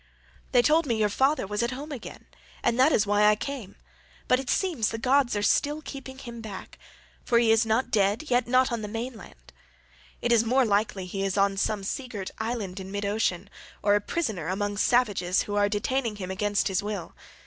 They told me your father was at home again, and that was why I came, but it seems the gods are still keeping him back, for he is not dead yet not on the mainland. It is more likely he is on some sea girt island in mid ocean, or a prisoner among savages who are detaining him against his will.